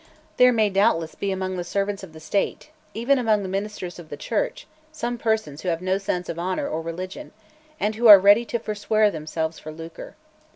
There may doubtless be among the servants of the State, and even among the ministers of the Church, some persons who have no sense of honour or religion, and who are ready to forswear themselves for lucre.